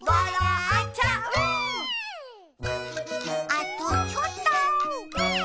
あとちょっと。